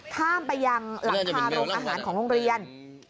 ข้ามไปยังหลังคาโรงอาหารของโรงเรียน